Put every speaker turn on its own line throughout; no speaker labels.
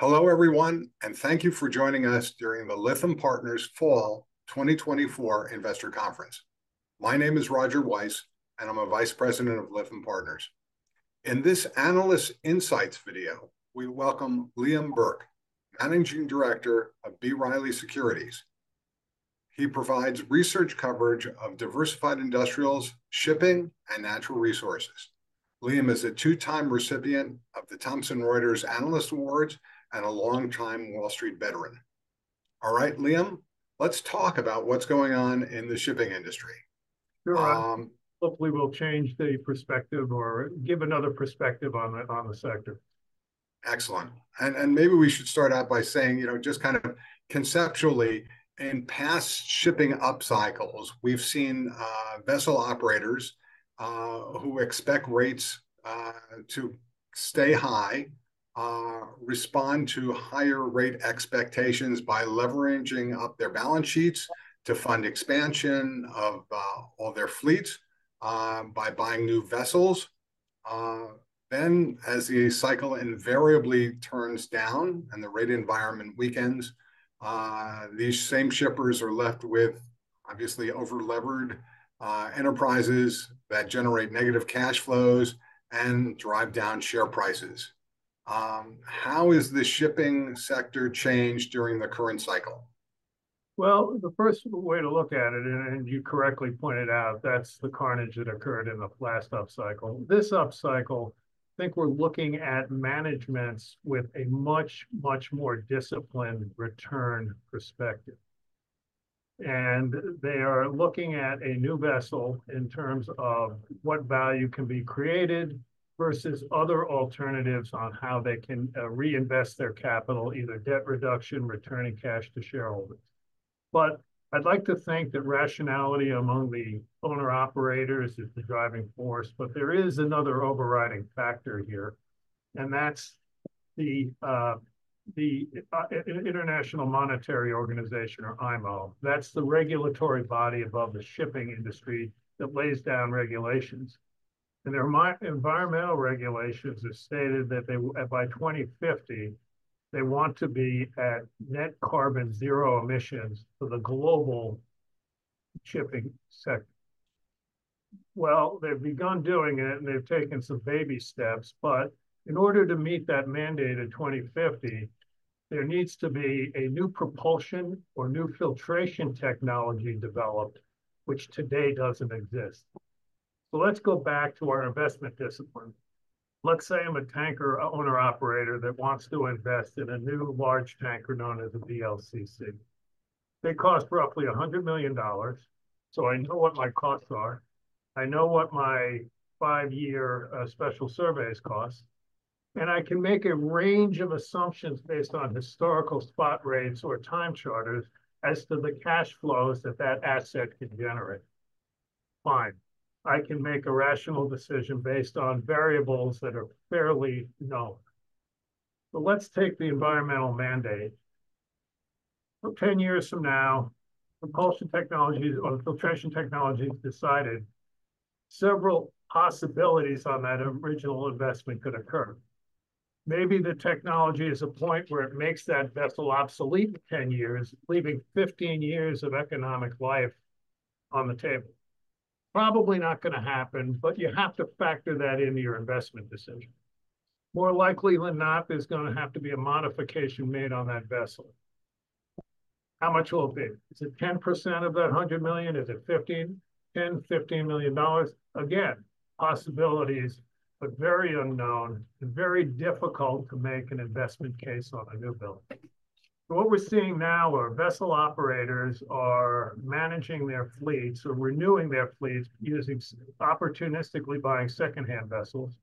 Hello, everyone, and thank you for joining us during the Lytham Partners Fall 2024 investor conference. My name is Roger Weiss, and I'm a Vice President of Lytham Partners. In this Analyst Insights video, we welcome Liam Burke, Managing Director of B. Riley Securities. He provides research coverage of diversified industrials, shipping, and natural resources. Liam is a two-time recipient of the Thomson Reuters Analyst Awards and a longtime Wall Street veteran. All right, Liam, let's talk about what's going on in the shipping industry.
Sure.
Um.
Hopefully, we'll change the perspective or give another perspective on the sector.
Excellent. And maybe we should start out by saying, you know, just kind of conceptually, in past shipping upcycles, we've seen vessel operators who expect rates to stay high respond to higher rate expectations by leveraging up their balance sheets to fund expansion of all their fleets by buying new vessels. Then, as the cycle invariably turns down and the rate environment weakens, these same shippers are left with obviously over-levered enterprises that generate negative cash flows and drive down share prices. How has the shipping sector changed during the current cycle?
Well, the first way to look at it, and you correctly pointed out, that's the carnage that occurred in the last upcycle. This upcycle, I think we're looking at managements with a much, much more disciplined return perspective. And they are looking at a new vessel in terms of what value can be created versus other alternatives on how they can reinvest their capital, either debt reduction, returning cash to shareholders. But I'd like to think that rationality among the owner-operators is the driving force, but there is another overriding factor here, and that's the International Maritime Organization, or IMO. That's the regulatory body above the shipping industry that lays down regulations, and their environmental regulations have stated that they by 2050, they want to be at net carbon zero emissions for the global shipping sector. Well, they've begun doing it, and they've taken some baby steps, but in order to meet that mandate in 2050, there needs to be a new propulsion or new filtration technology developed, which today doesn't exist. So let's go back to our investment discipline. Let's say I'm a tanker owner-operator that wants to invest in a new large tanker known as a VLCC. They cost roughly $100 million, so I know what my costs are. I know what my five-year special surveys cost, and I can make a range of assumptions based on historical spot rates or time charters as to the cash flows that that asset can generate. Fine. I can make a rational decision based on variables that are fairly known. But let's take the environmental mandate. For ten years from now, propulsion technologies or filtration technologies decide several possibilities on that original investment could occur. Maybe the technology is at a point where it makes that vessel obsolete in ten years, leaving fifteen years of economic life on the table. Probably not gonna happen, but you have to factor that into your investment decision. More likely than not, there's gonna have to be a modification made on that vessel. How much will it be? Is it 10% of that $100 million? Is it $10-$15 million? Again, possibilities, but very unknown and very difficult to make an investment case on a new build. What we're seeing now are vessel operators are managing their fleets or renewing their fleets using opportunistically buying secondhand vessels,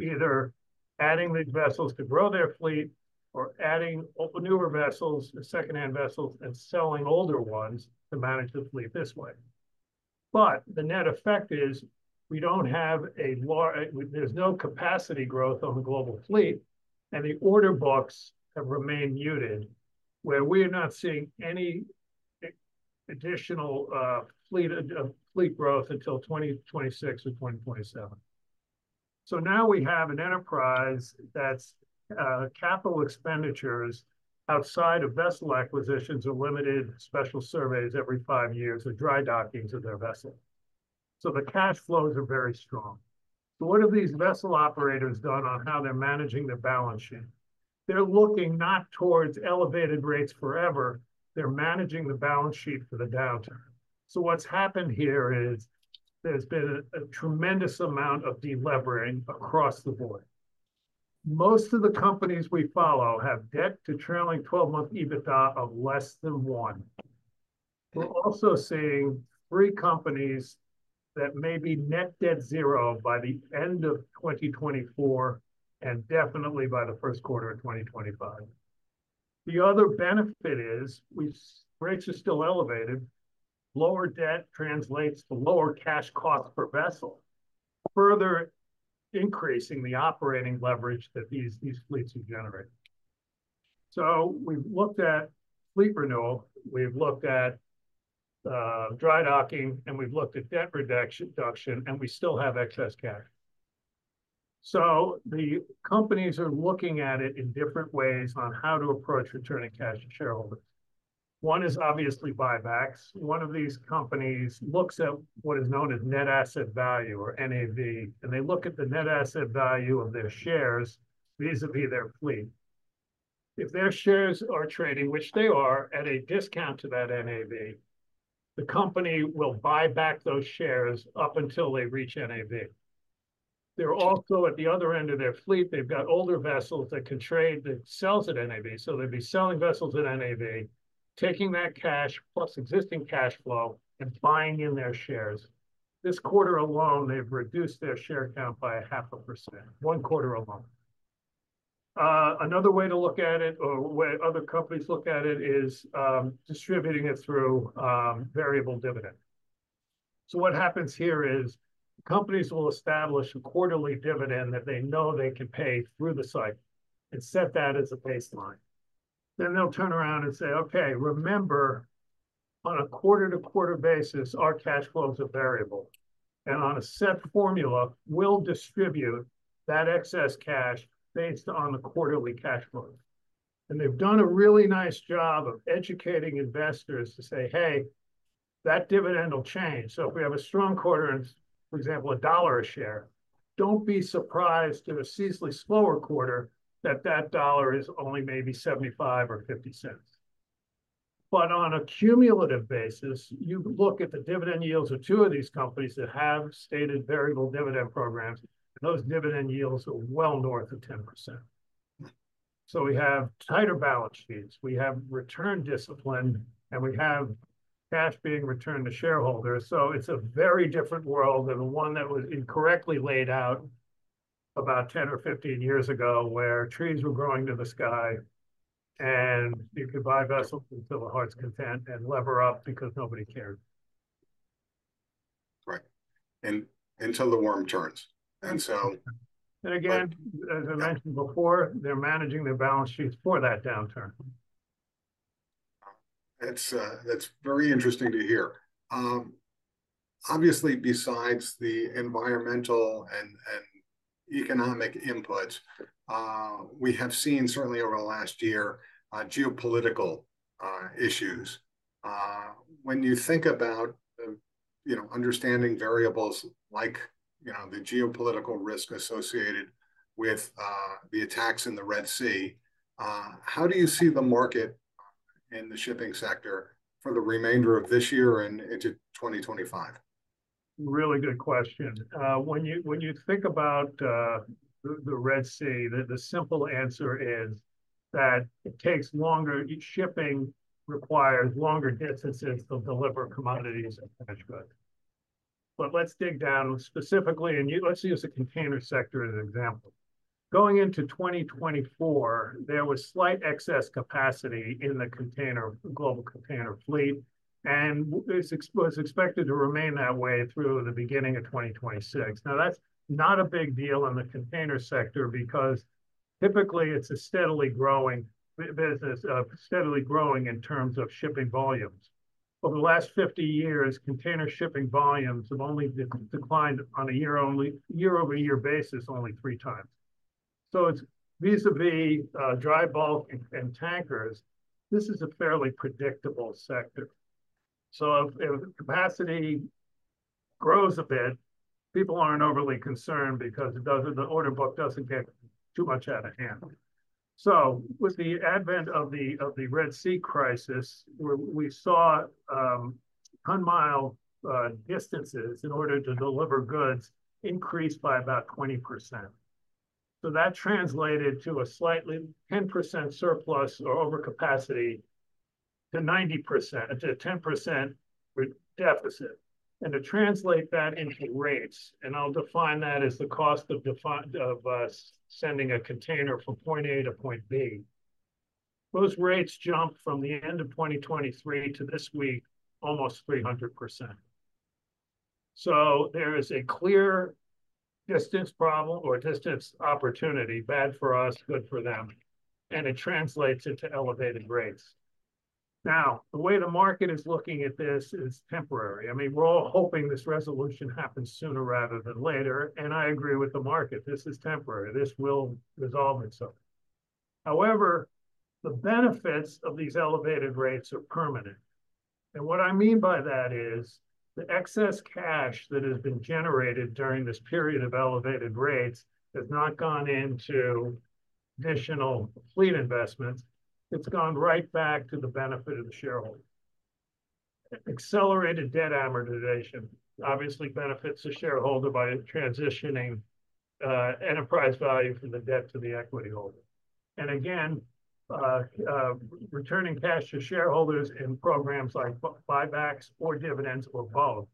either adding these vessels to grow their fleet or adding newer vessels and secondhand vessels and selling older ones to manage the fleet this way, but the net effect is we don't have, there's no capacity growth on the global fleet, and the order books have remained muted, where we are not seeing any additional fleet growth until twenty twenty-six or twenty twenty-seven, so now we have an enterprise that's capital expenditures outside of vessel acquisitions or limited special surveys every five years or dry dockings of their vessel, so the cash flows are very strong, so what have these vessel operators done on how they're managing their balance sheet? They're looking not towards elevated rates forever. They're managing the balance sheet for the downturn. So what's happened here is there's been a tremendous amount of delevering across the board. Most of the companies we follow have debt to trailing twelve-month EBITDA of less than one. We're also seeing three companies that may be net debt zero by the end of 2024, and definitely by the first quarter of 2025. The other benefit is rates are still elevated. Lower debt translates to lower cash cost per vessel, further increasing the operating leverage that these fleets will generate. So we've looked at fleet renewal, we've looked at dry docking, and we've looked at debt reduction, and we still have excess cash. So the companies are looking at it in different ways on how to approach returning cash to shareholders. One is obviously buybacks. One of these companies looks at what is known as net asset value, or NAV, and they look at the net asset value of their shares, vis-à-vis their fleet. If their shares are trading, which they are, at a discount to that NAV, the company will buy back those shares up until they reach NAV. They're also, at the other end of their fleet, they've got older vessels that can trade, that sells at NAV. So they'd be selling vessels at NAV, taking that cash, plus existing cash flow, and buying in their shares. This quarter alone, they've reduced their share count by 0.5%, one quarter alone. Another way to look at it or way other companies look at it is distributing it through variable dividend. What happens here is, companies will establish a quarterly dividend that they know they can pay through the cycle and set that as a baseline. Then they'll turn around and say, "Okay, remember, on a quarter-to-quarter basis, our cash flows are variable, and on a set formula, we'll distribute that excess cash based on the quarterly cash flows." And they've done a really nice job of educating investors to say, "Hey, that dividend will change. So if we have a strong quarter, and, for example, $1 a share, don't be surprised if a seasonally slower quarter, that dollar is only maybe $0.75 or $0.50." But on a cumulative basis, you look at the dividend yields of two of these companies that have stated variable dividend programs, and those dividend yields are well north of 10%. So we have tighter balance sheets, we have return discipline, and we have cash being returned to shareholders. So it's a very different world than the one that was incorrectly laid out about 10 or 15 years ago, where trees were growing to the sky, and you could buy vessels until your heart's content and lever up because nobody cared.
Right, and until the worm turns. And so-
Again, as I mentioned before, they're managing their balance sheets for that downturn.
That's, that's very interesting to hear. Obviously, besides the environmental and economic inputs, we have seen certainly over the last year, geopolitical issues. When you think about, you know, understanding variables like, you know, the geopolitical risk associated with the attacks in the Red Sea, how do you see the market in the shipping sector for the remainder of this year and into 2025?
Really good question. When you think about the Red Sea, the simple answer is that it takes longer. Shipping requires longer distances to deliver commodities and goods. But let's dig down specifically, and let's use the container sector as an example. Going into 2024, there was slight excess capacity in the global container fleet, and it was expected to remain that way through the beginning of 2026. Now, that's not a big deal in the container sector, because typically, it's a steadily growing business, steadily growing in terms of shipping volumes. Over the last 50 years, container shipping volumes have only declined on a year-over-year basis only three times. So it's vis-à-vis dry bulk and tankers, this is a fairly predictable sector. So if capacity grows a bit, people aren't overly concerned because it doesn't, the order book doesn't get too much out of hand. So with the advent of the Red Sea crisis, where we saw ton mile distances in order to deliver goods increase by about 20%. So that translated to a slightly 10% surplus or overcapacity, to 90% to a 10% deficit. And to translate that into rates, and I'll define that as the cost of sending a container from point A to point B. Those rates jumped from the end of 2023 to this week, almost 300%. So there is a clear distance problem or distance opportunity, bad for us, good for them, and it translates into elevated rates. Now, the way the market is looking at this is temporary. I mean, we're all hoping this resolution happens sooner rather than later, and I agree with the market. This is temporary. This will resolve itself. However, the benefits of these elevated rates are permanent, and what I mean by that is, the excess cash that has been generated during this period of elevated rates has not gone into additional fleet investments. It's gone right back to the benefit of the shareholder. Accelerated debt amortization obviously benefits the shareholder by transitioning enterprise value from the debt to the equity holder, and again, returning cash to shareholders in programs like buybacks or dividends or both,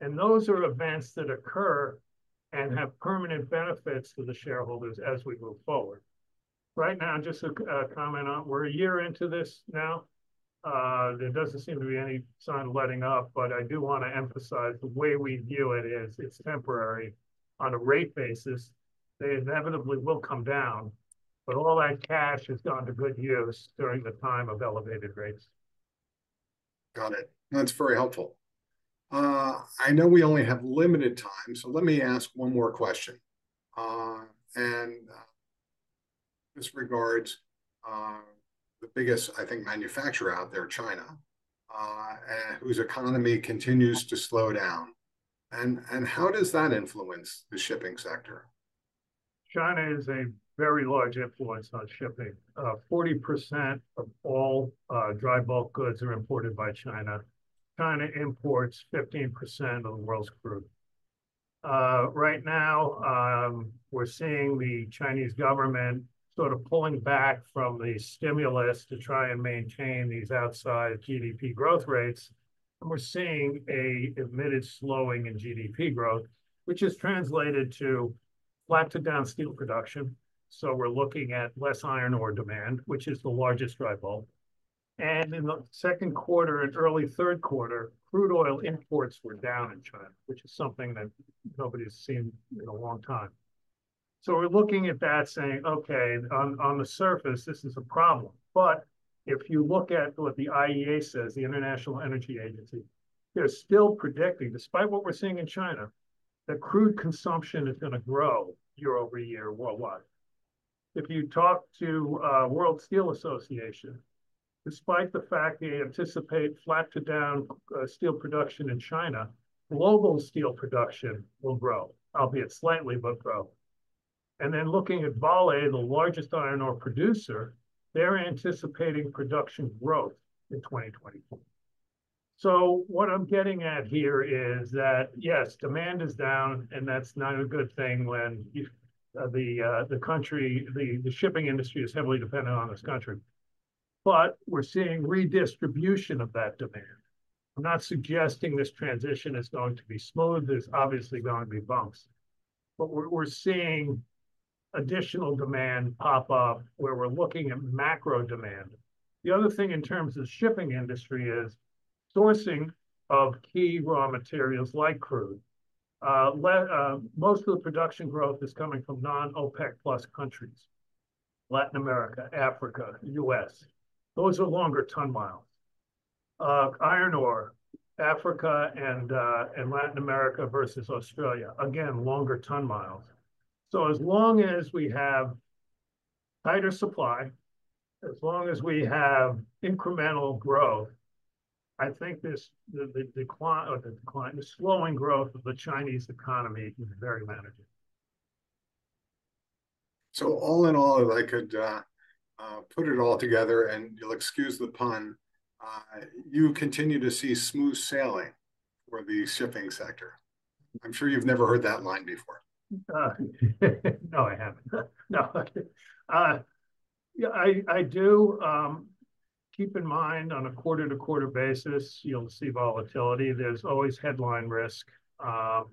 and those are events that occur and have permanent benefits to the shareholders as we move forward. Right now, just a comment on, we're a year into this now. There doesn't seem to be any sign of letting up, but I do want to emphasize the way we view it is, it's temporary. On a rate basis, they inevitably will come down, but all that cash has gone to good use during the time of elevated rates.
Got it. That's very helpful. I know we only have limited time, so let me ask one more question, and this regards the biggest, I think, manufacturer out there, China, and whose economy continues to slow down, and how does that influence the shipping sector?
China is a very large influence on shipping. 40% of all dry bulk goods are imported by China. China imports 15% of the world's crude. Right now, we're seeing the Chinese government sort of pulling back from the stimulus to try and maintain these outside GDP growth rates, and we're seeing an admitted slowing in GDP growth, which has translated to flat-to-down steel production. We're looking at less iron ore demand, which is the largest dry bulk. And in the second quarter and early third quarter, crude oil imports were down in China, which is something that nobody's seen in a long time. So we're looking at that, saying, "Okay, on the surface, this is a problem." But if you look at what the IEA says, the International Energy Agency, they're still predicting, despite what we're seeing in China, that crude consumption is gonna grow year over year, worldwide. If you talk to World Steel Association, despite the fact they anticipate flat-to-down steel production in China, global steel production will grow, albeit slightly, but grow. And then looking at Vale, the largest iron ore producer, they're anticipating production growth in 2024. So what I'm getting at here is that, yes, demand is down, and that's not a good thing when the country... the shipping industry is heavily dependent on this country, but we're seeing redistribution of that demand. I'm not suggesting this transition is going to be smooth. There's obviously going to be bumps, but we're seeing additional demand pop up where we're looking at macro demand. The other thing in terms of shipping industry is sourcing of key raw materials, like crude. Most of the production growth is coming from non-OPEC+ countries, Latin America, Africa, US. Those are longer ton miles. Iron ore, Africa and Latin America versus Australia, again, longer ton miles. So as long as we have tighter supply, as long as we have incremental growth, I think the decline or the slowing growth of the Chinese economy is very manageable.
So all in all, if I could put it all together, and you'll excuse the pun, you continue to see smooth sailing for the shipping sector. I'm sure you've never heard that line before.
No, I haven't. No, yeah, I do. Keep in mind, on a quarter-to-quarter basis, you'll see volatility. There's always headline risk, so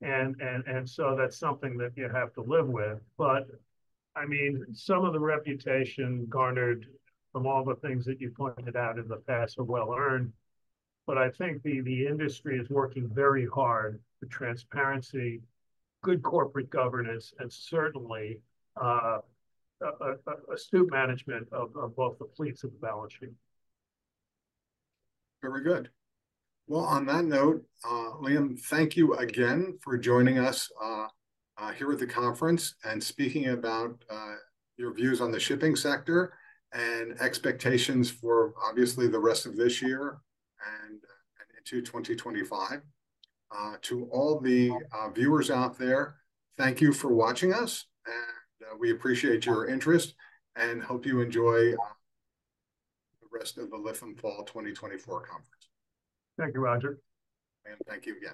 that's something that you have to live with, but I mean, some of the reputation garnered from all the things that you pointed out in the past are well earned, but I think the industry is working very hard for transparency, good corporate governance, and certainly a stewardship of both the fleets and the balance sheet.
Very good. Well, on that note, Liam, thank you again for joining us here at the conference and speaking about your views on the shipping sector, and expectations for, obviously, the rest of this year and into 2025. To all the viewers out there, thank you for watching us, and we appreciate your interest, and hope you enjoy the rest of the Lytham Fall 2024 conference.
Thank you, Roger.
Thank you again.